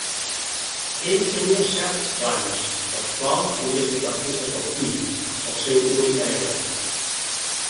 Ell tenia certs plans, dels quals volia fer partícip el fill, el seu únic hereu.